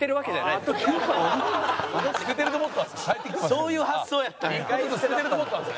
そういう発想やったんや。